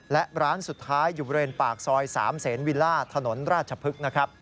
และร้านสุดท้ายอยู่บริเวณปากซอย๓เสนวิลล่าถนนราชพฤกษ์นะครับ